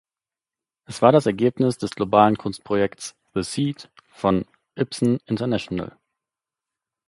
Es war das Ergebnis des globalen Kunstprojekts „The Seed“ von Ibsen International.